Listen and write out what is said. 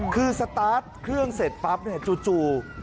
คือสตาร์ทเครื่องเสร็จปั๊บจู่